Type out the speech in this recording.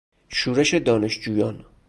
شورش دانشجویان